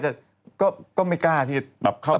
แต่ก็ไม่กล้าที่จะแบบเข้าไป